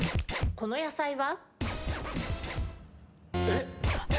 この野菜は？